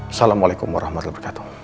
assalamualaikum warahmatullahi wabarakatuh